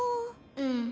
うん。